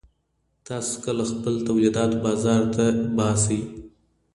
تاسو کله خپل تولیدات بازار ته وباسئ؟